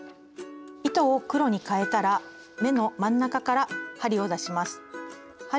糸を黒にかえたら目の真ん中から針を出します。